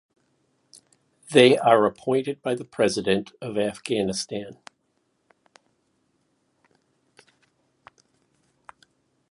They are appointed by the President of Afghanistan.